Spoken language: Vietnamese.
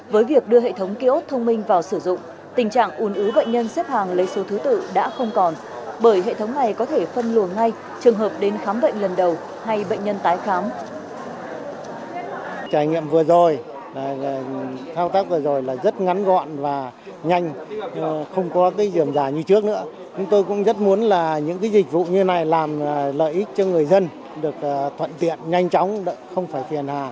với việc đưa hệ thống dịch vụ khám chữa bệnh đến khám chữa bệnh bệnh viện đa khoa tỉnh ninh bình mỗi ngày tiếp nhận hàng trăm bệnh nhân đến khám chữa bệnh